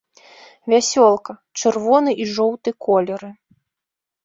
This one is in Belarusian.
Вясёлка, чырвоны і жоўты колеры.